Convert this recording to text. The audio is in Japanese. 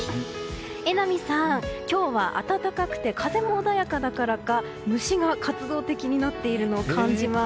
榎並さん、今日は暖かくて風も穏やかだからか虫が活動的になっているの感じます。